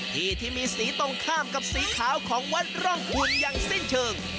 ที่ที่มีสีตรงข้ามกับสีขาวของวัดร่องขุนอย่างสิ้นเชิง